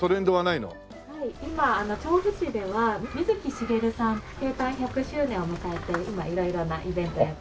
今調布市では水木しげるさん生誕１００周年を迎えて今色々なイベントをやってます。